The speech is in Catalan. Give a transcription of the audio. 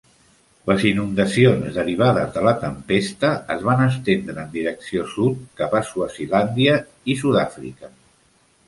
Les inundacions derivades de la tempesta es van estendre en direcció sud cap a Swazilàndia i Sudàfrica.